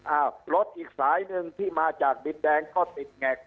อ้าวรถอีกสายนึงที่มาจากบิฐแดงก็ติดไหนต่อ